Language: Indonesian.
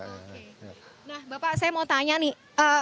oke nah bapak saya mau tanya nih